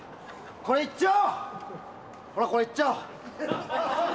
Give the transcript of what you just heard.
これ、いっちゃおう！